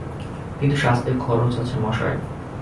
কিন্তু সাজতে খরচ আছে মশায়।